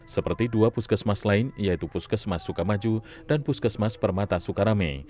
seperti dua puskesmas lain yaitu puskesmas sukamaju dan puskesmas permata sukarame